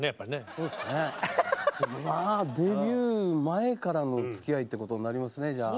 そうですねまあデビュー前からのつきあいってことになりますねじゃあ。